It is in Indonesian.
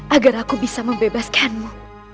agar aku bisa membebaskanmu